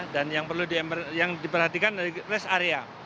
dan yang diperhatikan dari rest area